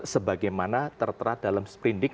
sebagaimana tertera dalam seprindik